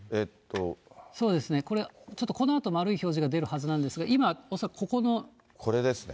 そうですね、これ、ちょっとこのあと丸い表示が出るはずなんですが、今、恐らくこここれですね？